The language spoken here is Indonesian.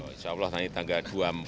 insya allah nanti tanggal